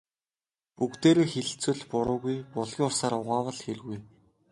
Бүгдээрээ хэлэлцвэл буруугүй, булгийн усаар угаавал хиргүй.